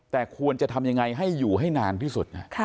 แต่ควรจะทำยังไงให้อยู่ให้นานที่สุด